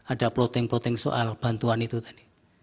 ada plotting plotting soal bantuan itu tadi